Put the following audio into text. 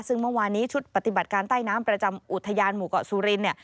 ซึ่งเมื่อวานนี้ชุดปฏิบัติการใต้น้ำประจำอุทยานหมู่เกาะสุรินเนี่ย